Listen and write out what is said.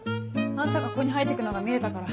あんたがここに入って行くのが見えたから。